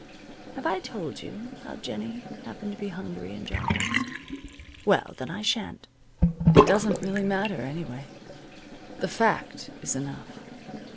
Have I told you how Jennie happened to be hungry and jobless? Well, then I sha'n't. It doesn't really matter, anyway. The fact is enough.